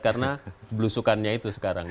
karena belusukannya itu sekarang